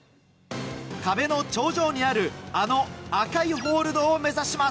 壁の頂上にある赤いホールドを目指します！